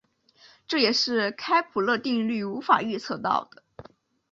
这也是开普勒定律无法预测到的。